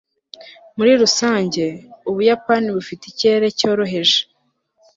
muri rusange, ubuyapani bufite ikirere cyoroheje